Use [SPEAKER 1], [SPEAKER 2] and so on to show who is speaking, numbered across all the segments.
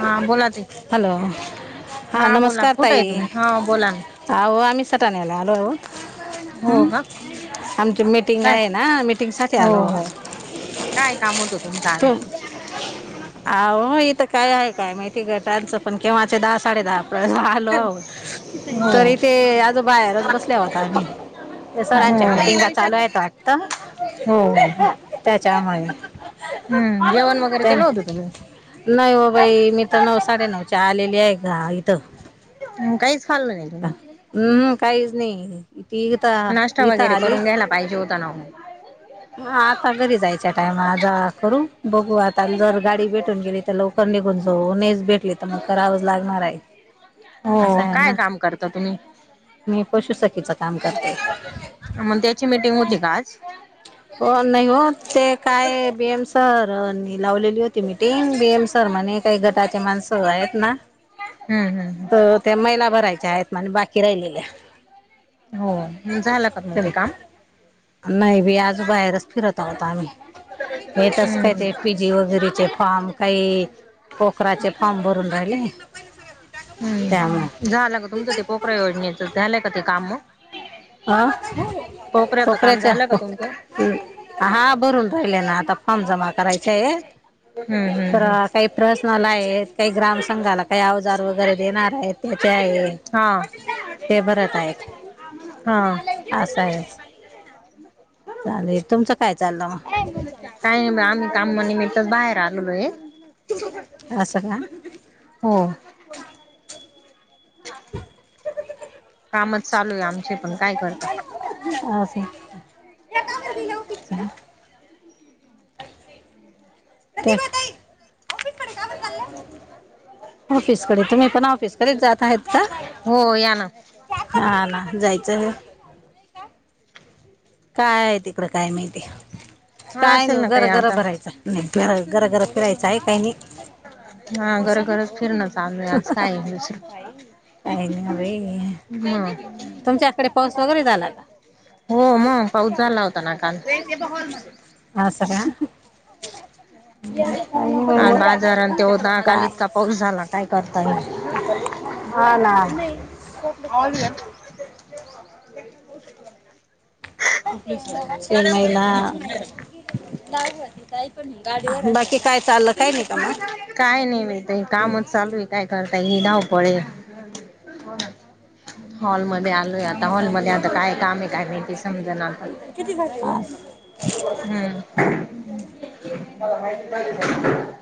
[SPEAKER 1] हा बोला ताई.
[SPEAKER 2] हॅलो हां
[SPEAKER 1] हा बोला,
[SPEAKER 2] नमस्कार
[SPEAKER 1] कुठे आहे
[SPEAKER 2] ताई
[SPEAKER 1] तुम्ही? हा बोला ना.
[SPEAKER 2] अहो आम्ही सटाण्याला आलोय ओ.
[SPEAKER 1] हो
[SPEAKER 2] हम्
[SPEAKER 1] का
[SPEAKER 2] आमची मिटिंग
[SPEAKER 1] काय
[SPEAKER 2] आहे ना, मिटिंग साठी
[SPEAKER 1] हो
[SPEAKER 2] आलो आहोत.
[SPEAKER 1] हो काय काम होत तुमच आज?
[SPEAKER 2] तू अहो इथं काय आहे? काय माहिती घटांचं. केव्हाचे दहा साडे दहा पर्यंत आलो.
[SPEAKER 1] हो
[SPEAKER 2] तरी ते अजून बाहेरच बसले आहोत आम्ही. ते सरांच्या मिटिंगा
[SPEAKER 1] ह
[SPEAKER 2] चालू आहेत वाटतं
[SPEAKER 1] हो.
[SPEAKER 2] त्याच्यामुळे
[SPEAKER 1] हम्म. जेवण वगैरे
[SPEAKER 2] त्यां
[SPEAKER 1] केल होतं का तुम्ही?
[SPEAKER 2] नाही हो बाई मी तर नऊ साडेनऊच्या आलेली आहे ना इथं.
[SPEAKER 1] काहीच खाल्लं नाही. तुम्ही
[SPEAKER 2] हम्मम काहीच नाही ती- इथं
[SPEAKER 1] नाश्ता
[SPEAKER 2] इथं
[SPEAKER 1] वगैरे
[SPEAKER 2] आली
[SPEAKER 1] करून घ्यायला पाहिजे होता ना हो.
[SPEAKER 2] हा आता घरी जायच्या टाइमा जा करू. बघू आता जर गाडी भेटून गेली- तर लवकर निघून जाऊ. नाहीच भेट- ली तर मग करावंच लागणार आहे, असं
[SPEAKER 1] हो
[SPEAKER 2] आहे
[SPEAKER 1] काय
[SPEAKER 2] ना.
[SPEAKER 1] काम करता तुम्ही
[SPEAKER 2] मी पशुसखीचं काम करतेय.
[SPEAKER 1] मग त्याची मीटिंग होती का आज?
[SPEAKER 2] हो नाही हो ते काय बीएम- तर लावलेली होती मीटिंग. बीएम सर म्हणे काही गटाचे माणसं आहेत ना-
[SPEAKER 1] हम्म हम् हम.
[SPEAKER 2] तर त्या महीला भरायच्या आहेत म्हणे बाकी राहिलेल्या.
[SPEAKER 1] हो. हम् झालं का पण ते काम?
[SPEAKER 2] नाही बाई अजून बाहेरच फिरत आहोत आम्ही. हेे तस काय
[SPEAKER 1] हम्म
[SPEAKER 2] ते पी- जी वगैरेचे फार्म, काही पोखराचे फार्म भरून राहिले. त्यामुळे
[SPEAKER 1] हम्म झालं का तुमचं ते पोखराऱ योजनेच झालंय का ते काम मग?
[SPEAKER 2] अ
[SPEAKER 1] पोखराऱच काम झालं का तुमचं?
[SPEAKER 2] ह हा भरून राहिले ना आता फॉर्म जमा करायचे आहे,
[SPEAKER 1] हम्म हम्म हम्म
[SPEAKER 2] तर- काही प्रहर्सनाला आहे, काही ग्राम संंघाला, काही अवजार वगैरे देणार आहेत. त्याच्या आहे
[SPEAKER 1] हा.
[SPEAKER 2] ते भरत आहेत.
[SPEAKER 1] हा
[SPEAKER 2] अस आहे. चालेल. तुमचं काय चाललं मग?
[SPEAKER 1] काही नाही आम्ही कामा निमित्त बाहेर आलेलो हे.
[SPEAKER 2] मग असं का
[SPEAKER 1] हो. काम चालू आहे आमचे पण, काय करता?
[SPEAKER 2] [unintelligible] प्रतिभाताई!
[SPEAKER 1] ह
[SPEAKER 2] ऑफिसकडे तुम्ही पण ऑफिसकडेच जात आहेत क
[SPEAKER 1] हो, याना.
[SPEAKER 2] हा ना, जायचं आहे हो काय आहे तिकड काय माहिती?
[SPEAKER 1] हा
[SPEAKER 2] काय
[SPEAKER 1] असेल
[SPEAKER 2] नाही
[SPEAKER 1] ना काही
[SPEAKER 2] जरा जरा
[SPEAKER 1] आता
[SPEAKER 2] बरं आहेचा. निघतोय आम्ही, गरागरा फिरायचं आहे काही नाही.
[SPEAKER 1] हा
[SPEAKER 2] असं
[SPEAKER 1] गरागराच फिरणं चालूये, आज काय आहे-
[SPEAKER 2] काही नाही बाई
[SPEAKER 1] हम्म
[SPEAKER 2] तुमच्याकडे पाऊस वगैरे झाला का
[SPEAKER 1] हो मग पाऊस झाला होता ना काल.
[SPEAKER 2] अस का?
[SPEAKER 1] [inaudible] काल बाजार आणि ते होता,
[SPEAKER 2] का
[SPEAKER 1] काल इतका पाऊस झाला काय करता नाही आलं.
[SPEAKER 2] हा ना.
[SPEAKER 1] [unintelligible]
[SPEAKER 2] ते महीला बाकी काय चालल.
[SPEAKER 1] काय नाही ब‌ई ताई कामच चालू आहे. काय करताय ही धावपळ आहे. हॉलमध्ये आलोय आता. हॉलमध्ये आता काय काम आहे काय माहिती. समजना आता
[SPEAKER 2] किती झाली हो
[SPEAKER 1] हम्म तुम्हाला माहिती पाहिजे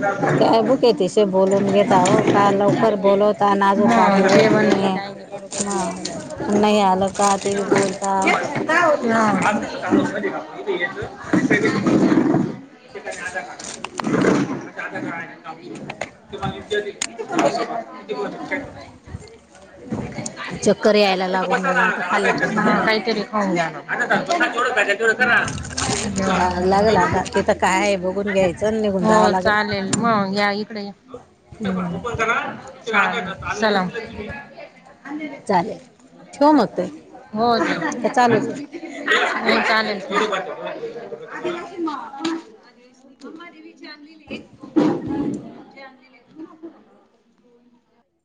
[SPEAKER 1] त्या [unintelligible]
[SPEAKER 2] काय भुके तिशे बोलून घेता हो. काय लवकर बोलवता आणि आजू काम बी
[SPEAKER 1] हा
[SPEAKER 2] होत
[SPEAKER 1] जेवण हे
[SPEAKER 2] नाही.
[SPEAKER 1] काय बरोबर आहे
[SPEAKER 2] हा,
[SPEAKER 1] नाही खरं
[SPEAKER 2] नाही आल का ते बी बोलता.
[SPEAKER 1] काय होती ना आज [unintelligible] [unintelligible] तुम्हाला [unintelligible]
[SPEAKER 2] चक्कर यायला लागून गेले आता खाल्लं पिल्लं नाही आता
[SPEAKER 1] काहीतरी खाऊन घ्या ना. तेवढ करा.
[SPEAKER 2] जावं लागेल आता तिथं काय आहे बघून घ्यायचं आणि निघून जावं
[SPEAKER 1] हो
[SPEAKER 2] लागेल
[SPEAKER 1] चालेल मग या इकडे या.
[SPEAKER 2] हम्म
[SPEAKER 1] हा चला
[SPEAKER 2] चालेल ठेव ते
[SPEAKER 1] मग.
[SPEAKER 2] का चालू ठेव
[SPEAKER 1] हो चालेल
[SPEAKER 2] [unintelligible]